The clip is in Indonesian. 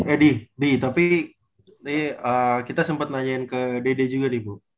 eh di di tapi kita sempet nanyain ke dede juga nih bu